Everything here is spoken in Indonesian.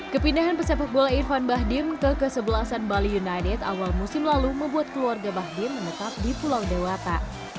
kepindahan pesepak bola irfan bahdim ke kesebelasan bali united awal musim lalu membuat keluarga bahdim menetap di pulau dewata